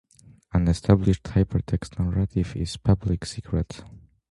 An established hypertext narrative is Public Secret.